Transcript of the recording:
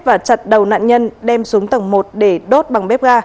và chặt đầu nạn nhân đem xuống tầng một để đốt bằng bếp ga